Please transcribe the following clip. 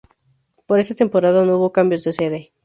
Para esta temporada no hubo cambios de sede.